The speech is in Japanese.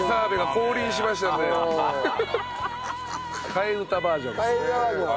替え歌バージョン。